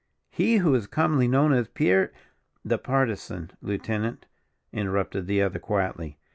he who is commonly known as Pierre " "The Partisan, lieutenant," interrupted the other, quietly.